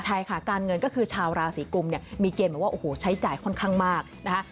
ใช่ค่ะการเงินก็คือชาวราสีกลุ่มมีเจนแบบว่าใช้จ่ายค่อนข้างมาก